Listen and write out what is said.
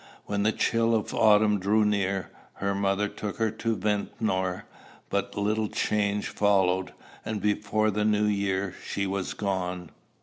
When the chills of autumn drew near, her mother took her to Ventnor; but little change followed, and before the new year she was gone.